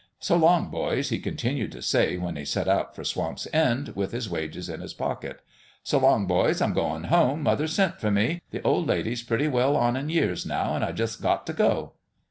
" So long, boys !" he continued to say, when he set out for Swamp's End, with his wages in his pocket. " So long, boys ! I'm goin' home. Mother's sent fer me. The oP lady's pretty well on in years, now. An' I jus' got t' go."